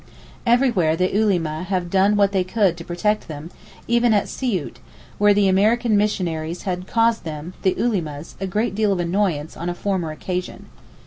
Everywhere the Ulema have done what they could to protect them, even at Siout, where the American missionaries had caused them (the Ulemas) a good deal of annoyance on a former occasion.